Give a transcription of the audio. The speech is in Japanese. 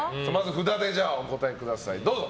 札でお答えください、どうぞ。